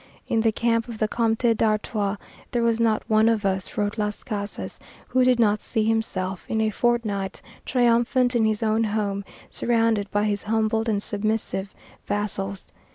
In the camp of the Comte d'Artois "there was not one of us," wrote Las Casas, "who did not see himself, in a fortnight, triumphant, in his own home, surrounded by his humbled and submissive vassals."